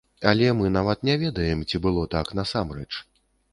Але мы нават не ведаем, ці было так насамрэч.